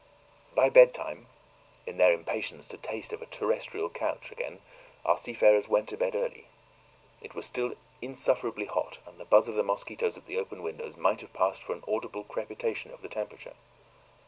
By bedtime in their impatience to taste of a terrestrial couch again our seafarers went to bed early it was still insufferably hot, and the buzz of the mosquitoes at the open windows might have passed for an audible crepitation of the temperature.